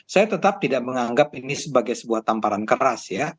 saya tetap tidak menganggap ini sebagai sebuah tamparan keras ya